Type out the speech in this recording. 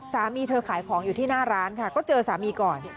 สามีเธอขายของอยู่ที่หน้าร้านค่ะก็เจอสามีก่อน